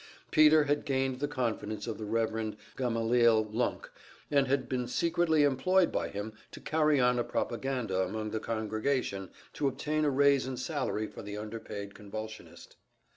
Peter had gained the confidence of the Rev. Gamaliel Lunk, and had been secretly employed by him to carry on a propaganda among the congregation to obtain a raise in salary for the underpaid convulsionist.